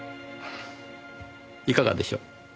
いかがでしょう？